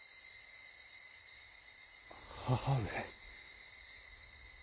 母上。